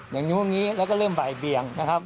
อย่างนี้แล้วก็เริ่มบ่ายเบียงนะครับ